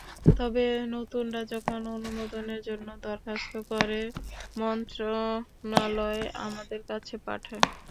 তবে নতুনরা যখন অনুমোদনের জন্য দরখাস্ত করে, মন্ত্রণালয় আমাদের কাছে পাঠায়।